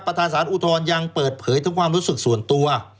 ประธานสารอุทธรณ์ยังเปิดเผยถึงความรู้สึกส่วนตัว